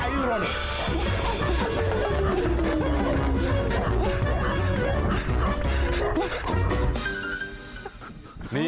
ไอ้อายุเรานี่